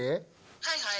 はいはい。